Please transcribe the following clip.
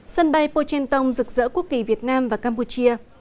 sân bay pochenton rực rỡ quốc kỳ việt nam và campuchia